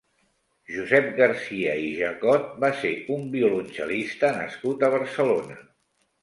Josep Garcia i Jacot va ser un violoncel·lista nascut a Barcelona.